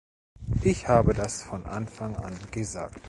Ich habe das von Anfang an gesagt.